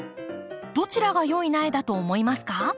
どちらが良い苗だと思いますか？